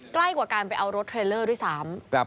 ใกล้กว่าการไปเอารถเทรลเลอร์ด้วยซ้ำ